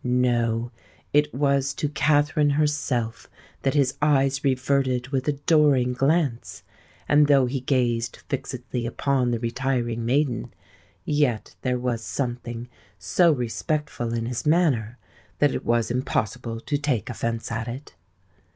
No:—it was to Katherine herself that his eyes reverted with adoring glance; and though he gazed fixedly upon the retiring maiden, yet there was something so respectful in his manner, that it was impossible to take offence at it.